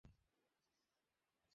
আপনার বন্দুকের সেফটি বন্ধ করা।